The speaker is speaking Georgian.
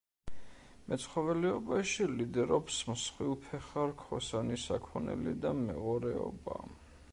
მეცხოველეობაში ლიდერობს მსხვილფეხა რქოსანი საქონელი და მეღორეობა.